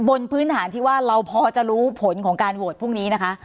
บนพื้นฐานที่ว่าเราพอจะรู้ผลของการโหวตพรุ่งนี้นะคะ